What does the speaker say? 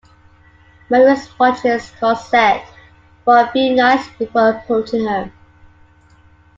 Marius watches Cosette for a few nights before approaching her.